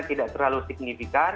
tidak terlalu signifikan